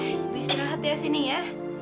lebih istirahat ya sini ya